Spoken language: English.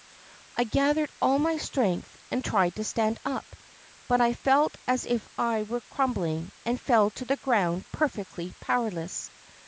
I gathered all my strength and tried to stand up, but I felt as if I were crumbUng and fell to the ground per fectly powerless.